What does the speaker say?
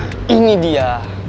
nah ini dia